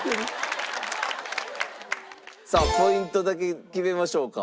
さあポイントだけ決めましょうか。